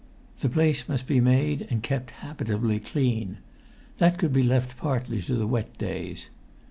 The place must be made and kept habitably clean; that could be left partly to the wet days.